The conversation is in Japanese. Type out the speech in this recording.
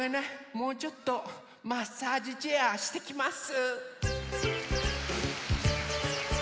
もうちょっとマッサージチェアしてきます。